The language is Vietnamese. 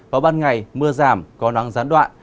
vào ban ngày mưa giảm có nắng gián đoạn